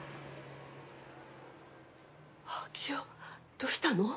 昭夫、どうしたの？